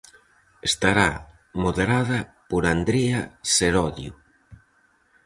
Estará moderada por Andrea serodio.